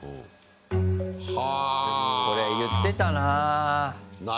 これ言ってたな。